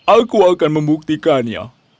aku akan membuktikannya